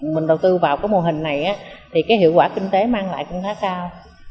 mình đầu tư vào cái mô hình này thì cái hiệu quả kinh tế mang lại cũng khá cao